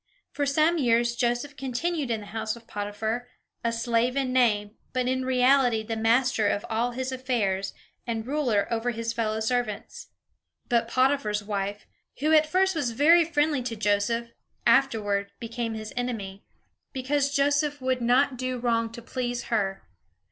For some years Joseph continued in the house of Potiphar, a slave in name, but in reality the master of all his affairs, and ruler over his fellow servants. But Potiphar's wife, who at first was very friendly to Joseph, afterward became his enemy, because Joseph would not do wrong to please her.